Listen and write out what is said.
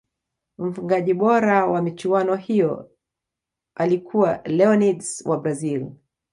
mfungaji bora wa michuano hiyo ya alikuwa leonids wa Brazil